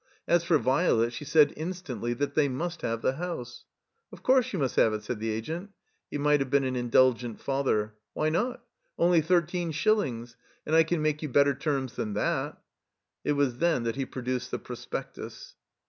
As for Vio let, she said instantly that they must have the house. Qf course you must 'ave it," said the Agent. He might have been an indulgent father. *'Why Aot? Only thirteen shillings. And I can make you better terms than that." It was then that he produced the Prospectus.